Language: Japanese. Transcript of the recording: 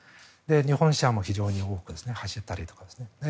日本車も非常に多く走ったりとかですね。